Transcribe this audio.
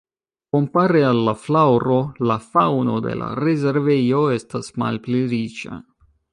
Kompare al la flaŭro la faŭno de la rezervejo estas malpli riĉa.